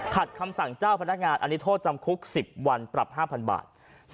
คำสั่งเจ้าพนักงานอันนี้โทษจำคุก๑๐วันปรับ๕๐๐บาท